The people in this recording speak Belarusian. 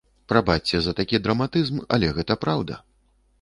Прабачце за такі драматызм, але гэта праўда.